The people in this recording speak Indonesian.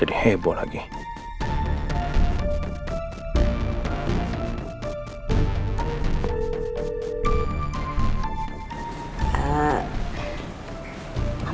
tapi saya tidak bisa mengangkat telpon